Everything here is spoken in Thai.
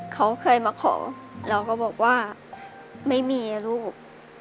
เขาเคยมาขอเราก็บอกว่าไม่มีนะลูก